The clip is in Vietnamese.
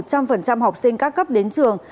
cho phép một trăm linh học sinh các cấp đến trường